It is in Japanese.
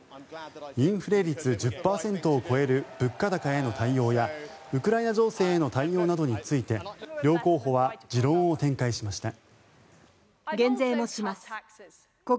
インフレ率１０％を超える物価高への対応やウクライナ情勢への対応などについて両候補は持論を展開しました。